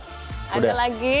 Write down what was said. masih ada lagi